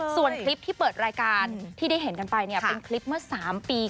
ส่วนคลิปที่เปิดรายการที่ได้เห็นกันไปเป็นคลิปเมื่อ๓ปี